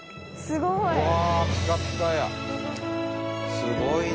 すごいね。